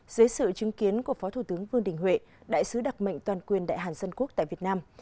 dưới sự chứng kiến của phó thủ tướng vương đình huệ đại sứ đặc mệnh toàn quyền đại hàn dân quốc tại việt nam